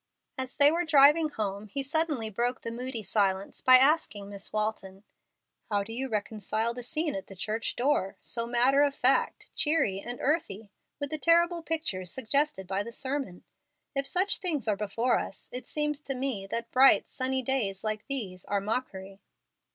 As they were driving home, he suddenly broke the moody silence by asking Miss Walton, "How do you reconcile the scene at the church door, so matter of fact, cheery, and earthly, with the terrible pictures suggested by the sermon? If such things are before us, it seems to me that bright, sunny days like these are mockery."